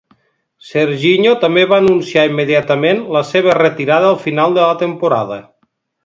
Serginho també va anunciar immediatament la seva retirada al final de la temporada.